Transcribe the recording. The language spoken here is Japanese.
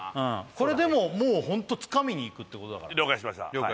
これでももうホントつかみにいくってことだから了解しました